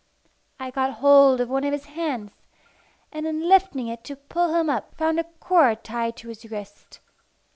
I got hold of one of his hands, and in lifting it to pull him up found a cord tied to his wrist.